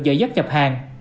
giờ dắt nhập hàng